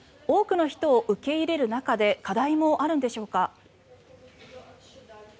多くの人を受け入れる中で課題もあるんでしょうか？